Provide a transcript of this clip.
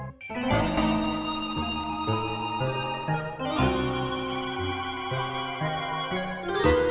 mau tau apa sih pak